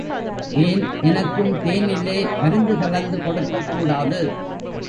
ஏன் எனக்கும் தேனிலே மருந்து கலந்து கொடுக்கக் கூடாது?